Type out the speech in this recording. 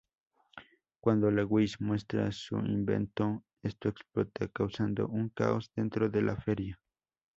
Cuando Lewis muestra su invento, este explota, causando un caos dentro de la feria.